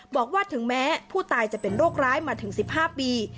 บอกว่าถึงแม้ผู้ตายจะเป็นโรคร้ายมาถึง๑๕ปี